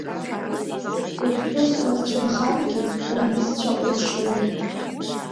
Уԥҳәыс улцәынхаргьы, уҩызцәа уршьуеит!